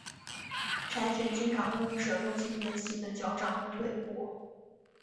柴犬经常会用舌头清洁自己的脚掌和腿部。